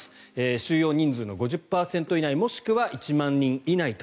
収容人数の５０％以内もしくは１万人以内と。